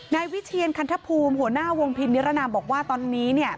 นายวิเชียนคันทภูมิหัวหน้าวงพินนิรนามบอกว่าตอนนี้เนี่ย